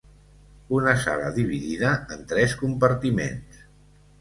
Una sala dividida en tres compartiments.